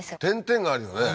点々があるよね